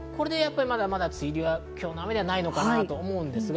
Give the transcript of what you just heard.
まだ、梅雨入りは今日の雨ではないかなと思います。